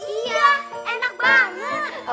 iya enak banget